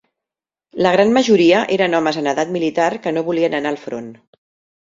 La gran majoria eren homes en edat militar que no volien anar al front.